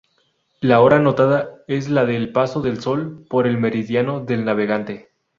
La hora anotada es la del paso del Sol por el meridiano del navegante.